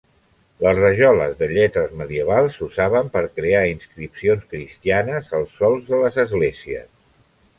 Les rajoles de lletres medievals s'usaven per crear inscripcions cristianes als sòls de les esglésies.